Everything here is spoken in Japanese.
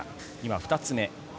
２つ目。